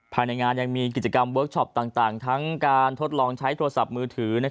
ภายในงานยังมีกิจกรรมเวิร์คชอปต่างทั้งการทดลองใช้โทรศัพท์มือถือ